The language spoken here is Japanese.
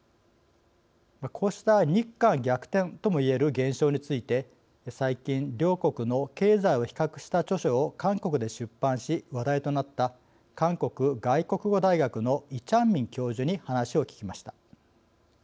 こうした「日韓逆転」ともいえる現象について最近、両国の経済を比較した著書を韓国で出版し話題となった韓国外国語大学のイ・チャンミン教授に話を聞きました。